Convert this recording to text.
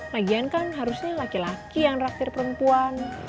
lagian kan harusnya laki laki yang raktir perempuan